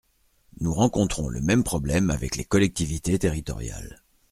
Nous rencontrons le même problème avec les collectivités territoriales.